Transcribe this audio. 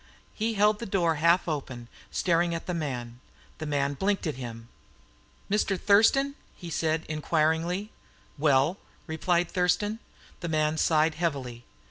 He held the door half open, staring at the man; the man blinked at him. "Mr. Thurston?" he said inquiringly. "Well?" replied Thurston. The man sighed heavily.